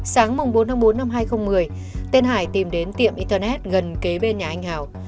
sáng bốn tháng bốn năm hai nghìn một mươi tên hải tìm đến tiệm internet gần kế bên nhà anh hào